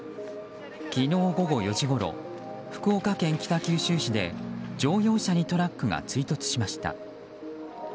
昨日午後４時ごろ福岡県北九州市で乗用車にトラックが追突しました。